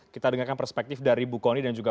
kita dengarkan perspektif dari bu kony dan juga